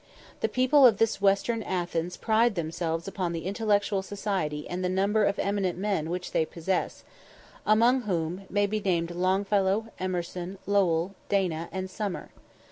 The people of this western Athens pride themselves upon the intellectual society and the number of eminent men which they possess, among whom may be named Longfellow, Emerson, Lowell, Dana, and Summer.